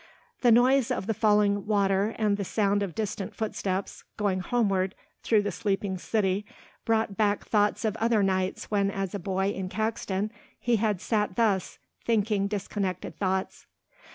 The noise of the falling water and the sound of distant footsteps going homeward through the sleeping city brought back thoughts of other nights when as a boy in Caxton he had sat thus, thinking disconnected thoughts.